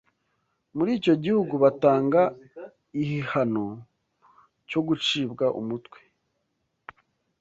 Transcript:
muri icyo gihugu batanga ihihano cyo gucibwa umutwe